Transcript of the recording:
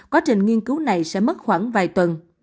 quá trình nghiên cứu này sẽ mất khoảng vài tuần